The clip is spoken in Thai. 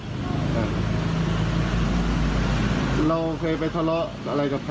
เราเคยไปทะเลาะอะไรกับเขา